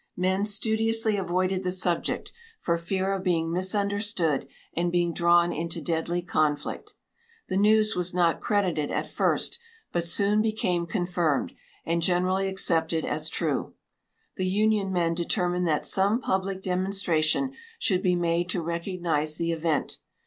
Men studiously avoided the subject, for fear of being misunderstood and being drawn into deadly conflict. The news was not credited at first, but soon became confirmed, and generally accepted as true. The Union men determined that some public demonstration should be made to recognize the event.